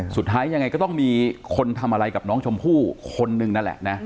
สุดท้ายยังไงก็ต้องมีคนทำอะไรกับน้องชมพู่คนนึงนั่นแหละนะ